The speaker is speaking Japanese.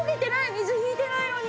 水ひいてないのに。